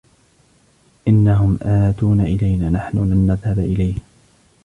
إنهم أتون إلينا, نحن لن نذهب إليهم.